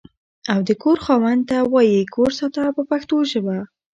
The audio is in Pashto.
او د کور خاوند ته وایي کور ساته په پښتو ژبه.